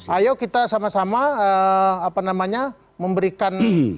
ayo kita sama sama memberikan